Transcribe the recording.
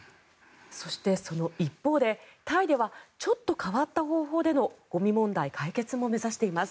そしてその一方でタイではちょっと変わった方法でのゴミ問題解決も目指しています。